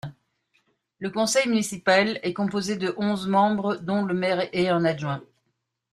Le conseil municipal est composé de onze membres dont le maire et un adjoint.